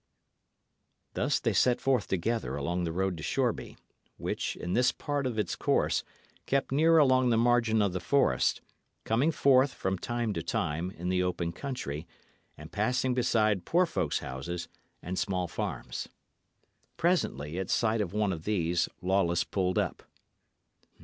Thus they set forth together along the road to Shoreby, which, in this part of its course, kept near along the margin or the forest, coming forth, from time to time, in the open country, and passing beside poor folks' houses and small farms. Presently at sight of one of these, Lawless pulled up.